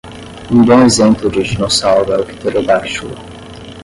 Um bom exemplo de dinossauro é o Pterodáctilo.